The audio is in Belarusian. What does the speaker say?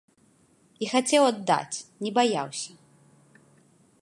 І хацеў аддаць, не баяўся.